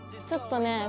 ちょっとね